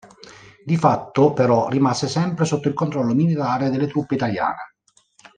Di fatto però rimase sempre sotto il controllo militare delle truppe italiane.